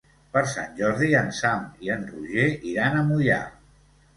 Per Sant Jordi en Sam i en Roger iran a Moià.